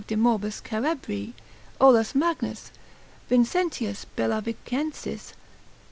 de morbis cerebri. Olaus Magnus, Vincentius Bellavicensis, spec.